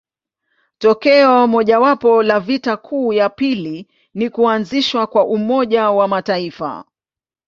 Tokeo mojawapo la vita kuu ya pili ni kuanzishwa kwa Umoja wa Mataifa.